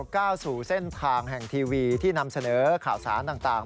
ก้าวสู่เส้นทางแห่งทีวีที่นำเสนอข่าวสารต่าง